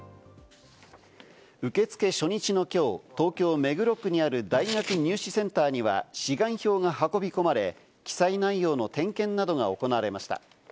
受付初日のきょう、東京・目黒区にある大学入試センターには、志願票が運び込まれ、記載内容の点検などが行われました。